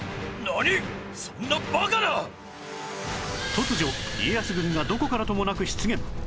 突如家康軍がどこからともなく出現